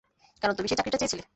কারণ তুমি সেই চাকরিটা চেয়েছিলে।